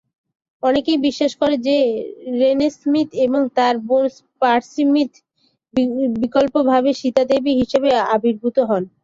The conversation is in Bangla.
অনেকেই বিশ্বাস করেন যে রেনে স্মিথ এবং তার বোন পার্সি স্মিথ বিকল্পভাবে 'সীতা দেবী' হিসাবে আবির্ভূত হন।